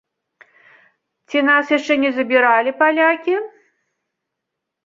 Ці нас яшчэ не забіралі палякі?